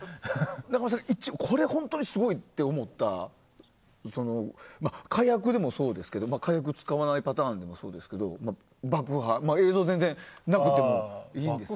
中山さんが本当にすごいと思った火薬でもそうですけど火薬を使わないパターンでもそうですが爆破、映像全然なくてもいいんですけど。